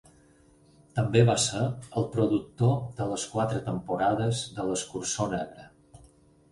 També va ser el productor de les quatre temporades de "L'escurçó negre".